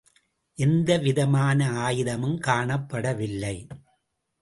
எந்த விதமான ஆயுதமும் காணப்படவில்லை.